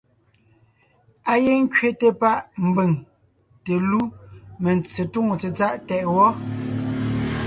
Á gíŋ ńkẅéte páʼ mbʉ̀ŋ te lú mentse túŋo tsetsáʼ tɛʼ wɔ́.